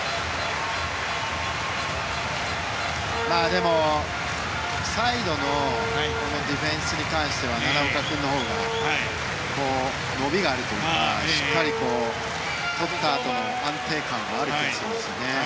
でも、サイドのディフェンスに関しては奈良岡君のほうが伸びがあるというかしっかり、とったあとの安定感がある気がしますね。